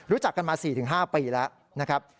รู้จักกันมา๔๕ปีแล้วนะครับ